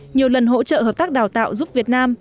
nhiều lần hỗ trợ hợp tác đào tạo giúp việt nam